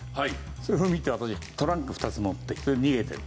それを見て私トランク２つ持って逃げてる。